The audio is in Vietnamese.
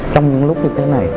trong những lúc như thế này